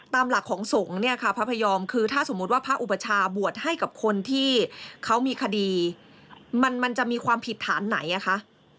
ตามหลักของสงฆ์เนี่ยค่ะพระพยอมคือถ้าสมมุติว่าพระอุปชาบวชให้กับคนที่เขามีคดีมันจะมีความผิดฐานไหนอ่ะคะ